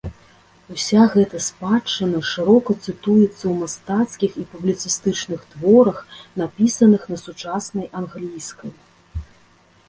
Уся гэта спадчына шырока цытуецца ў мастацкіх і публіцыстычных творах, напісаных на сучаснай англійскай.